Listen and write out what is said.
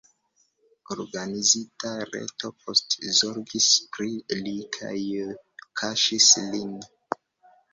Organizita reto poste zorgis pri li kaj kaŝis lin.